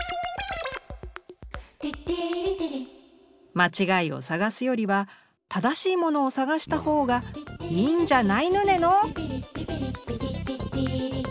「まちがいをさがすよりは正しいものをさがしたほうがいいんじゃないぬねの？」。